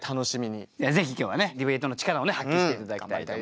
ぜひ今日はねディベートの力を発揮して頂きたいと思います。